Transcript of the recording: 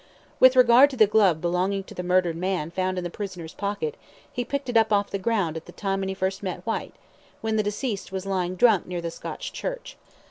With regard to the glove belonging to the murdered man found in the prisoner's pocket, he picked it up off the ground at the time when he first met Whyte, when the deceased was lying drunk near the Scotch Church.